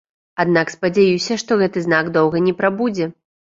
Аднак спадзяюся, што гэты знак доўга не прабудзе.